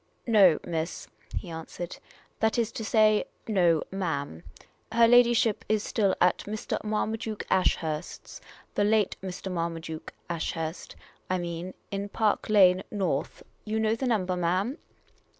" No, miss," he answered. " That is to say — no, ma'am. Her ladyship is still at Mr. Marmaduke Ashurst's — the late Mr. Marmaduke Ashurst, I mean — in Park Lane North. You know the number, ma'am